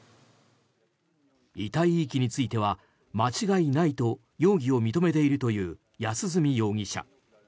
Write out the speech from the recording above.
遺体遺棄については間違いないと容疑を認めているという安栖容疑者。